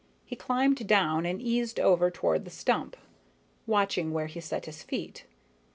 He climbed down and eased over toward the stump, watching where he set his feet.